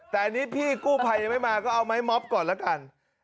แต่อันนี้พี่กู้ภัยยังไม่มาก็เอาไม้ม็อบก่อนละกัน